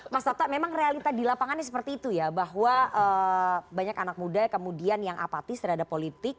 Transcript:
mas toto memang realita di lapangannya seperti itu ya bahwa banyak anak muda kemudian yang apatis terhadap politik